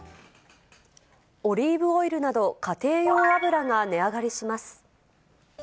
オリーブオイルなど、家庭用油が値上がりします。